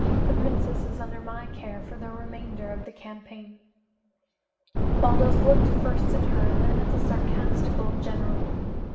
The princess is under my care for the remainder of the campaign." Baldos looked first at her and then at the sarcastic old general.